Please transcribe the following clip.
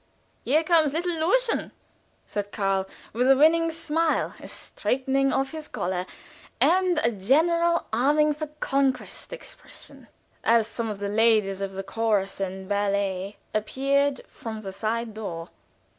"Here comes little Luischen," said Karl, with a winning smile, a straightening of his collar, and a general arming for conquest expression, as some of the "ladies of the chorus and ballet," appeared from the side door.